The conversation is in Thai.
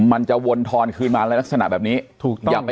มันจะวนทอนคืนมาลักษณะแบบนี้ถูกต้องครับ